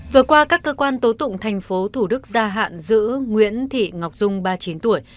vừa qua các cơ quan tố tụng tp thủ đức gia hạn giữ nguyễn thị ngọc dung ba mươi chín tuổi